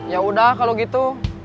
ya udah kalau gitu